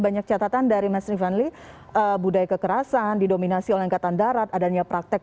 banyak catatan dari mas rifanli budaya kekerasan didominasi oleh angkatan darat adanya praktek